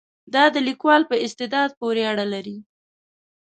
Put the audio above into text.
دا د لیکوال په استعداد پورې اړه لري.